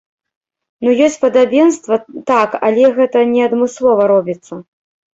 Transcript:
Ну ёсць падабенства, так, але гэта не адмыслова робіцца.